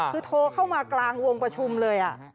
คือโทรเข้ามากลางวงประชุมเลย